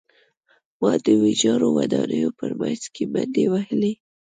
ما د ویجاړو ودانیو په منځ کې منډې وهلې